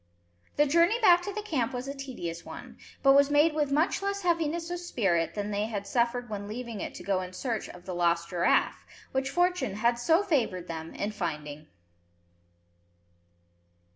The journey back to the camp was a tedious one, but was made with much less heaviness of spirit than they had suffered when leaving it to go in search of the lost giraffe, which fortune had so favoured them in finding.